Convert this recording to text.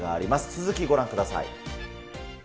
続き、ご覧ください。